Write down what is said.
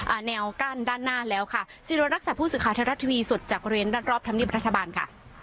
อ่าแนวกั้นด้านหน้าแล้วค่ะศิริวรรณรักษาผู้ศึกภาษาธรรรดิสุทธิ์จากเรียนรอบทำนิบรัฐบาลค่ะ